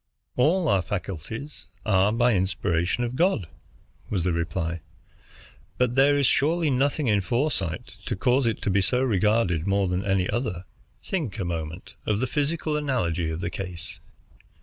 "All our faculties are by inspiration of God," was the reply, "but there is surely nothing in foresight to cause it to be so regarded more than any other. Think a moment of the physical analogy of the case.